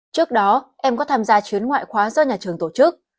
trước đó em có tham gia chuyến ngoại khóa do nhà trường tổ chức